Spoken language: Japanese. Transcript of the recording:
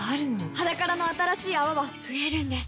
「ｈａｄａｋａｒａ」の新しい泡は増えるんです